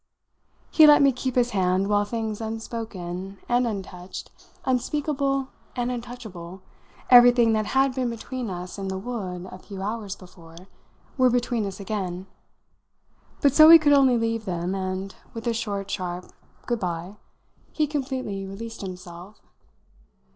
He let me keep his hand while things unspoken and untouched, unspeakable and untouchable, everything that had been between us in the wood a few hours before, were between us again. But so we could only leave them, and, with a short, sharp "Good bye!" he completely released himself.